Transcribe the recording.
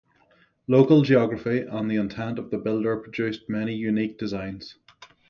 Local geography and the intent of the builder produced many unique designs.